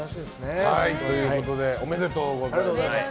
おめでとうございます。